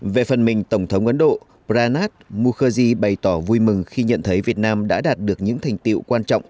về phần mình tổng thống ấn độ pranad mukherji bày tỏ vui mừng khi nhận thấy việt nam đã đạt được những thành tiệu quan trọng